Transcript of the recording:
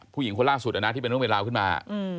พู่หญิงคนล่าสุดที่เป็นภูมิราวขึ้นมา